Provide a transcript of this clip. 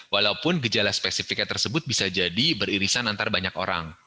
walaupun gejala spesifiknya tersebut bisa jadi beririsan antar banyak orang